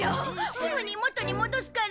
すぐにもとに戻すから！